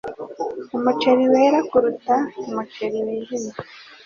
umuceri wera kuruta umuceri wijimye